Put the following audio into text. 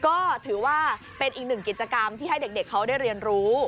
ก็ถือว่าเป็นอีกหนึ่งกิจกรรมที่ให้เด็กเขาได้เรียนรู้